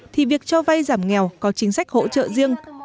thì việc cho vay giảm nghèo có chính sách hỗ trợ riêng